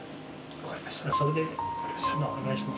分かりました。